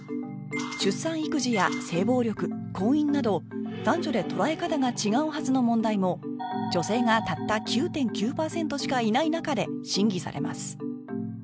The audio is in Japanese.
出産育児や性暴力婚姻など男女で捉え方が違うはずの問題も女性がたった ９．９ パーセントしかいないなかで審議されます